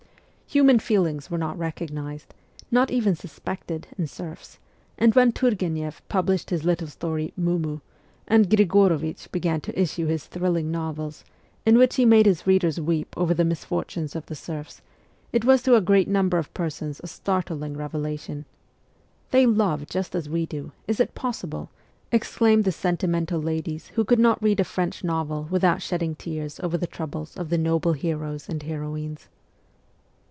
Human feelings were not recognized, not even suspected, in serfs, and when Turgueneff published his little story ' Mumu,' and Grigor6vich began to issue his thrilling novels, in which he made his readers weep over the misfortunes of the serfs, it was to a great number of persons a startling revelation. ' They love just as we do ; is it possible ?' exclaimed the sentimental ladies who could not read a French novel without shedding tears over the troubles of the noble heroes and heroines.